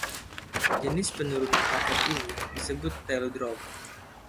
Jenis penurunan paket ini disebut tail drop.